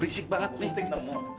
berisik banget nih